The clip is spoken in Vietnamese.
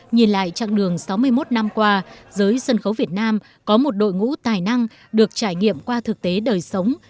nhìn lại chặng đường sáu mươi một năm qua giới sân khấu việt nam có một đội ngũ tài năng được trải nghiệm qua thực tế đời sống